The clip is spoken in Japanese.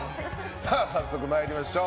早速参りましょう。